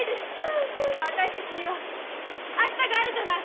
私たちには明日があるじゃない。